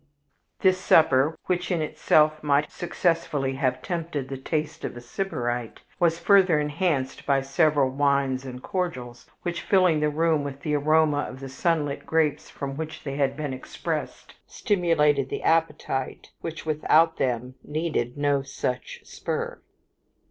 This supper (which in itself might successfully have tempted the taste of a Sybarite) was further enhanced by several wines and cordials which, filling the room with the aroma of the sunlit grapes from which they had been expressed, stimulated the appetite, which without them needed no such spur.